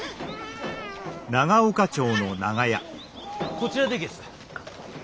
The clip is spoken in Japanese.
こちらでげす。